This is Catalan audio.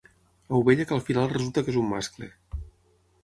Ovella que al final resulta que és un mascle.